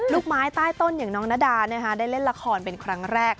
ลูกไม้ใต้ต้นอย่างน้องนาดาได้เล่นละครเป็นครั้งแรก